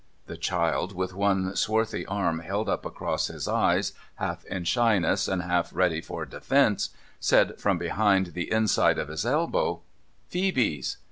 The child, with one swarthy arm held up across his eyes, half in shyness, and half ready for defence, said from behind the inside of his elbow :' Phoebe's.'